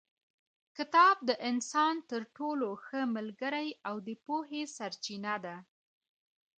کتاب د انسان تر ټولو ښه ملګری او د پوهې سرچینه ده.